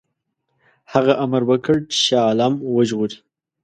هغه امر وکړ چې شاه عالم وژغوري.